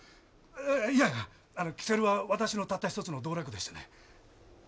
いやいや煙管は私のたった一つの道楽でしてね。